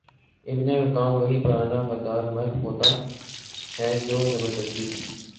ابن حکام وہی پرانا غدار امت ہوتا ہے جو زبردستی